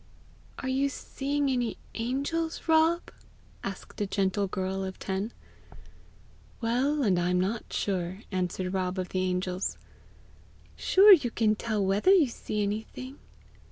"Are you seeing any angels, Rob?" asked a gentle girl of ten. "Well, and I'm not sure," answered Rob of the Angels. "Sure you can tell whether you see anything!"